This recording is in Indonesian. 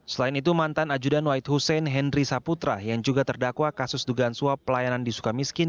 selain itu mantan ajudan wahid hussein henry saputra yang juga terdakwa kasus dugaan suap pelayanan di sukamiskin